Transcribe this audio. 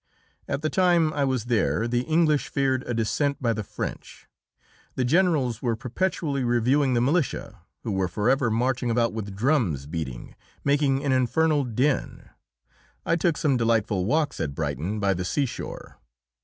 At the time I was there the English feared a descent by the French. The generals were perpetually reviewing the militia, who were forever marching about with drums beating, making an infernal din. I took some delightful walks at Brighton by the seashore.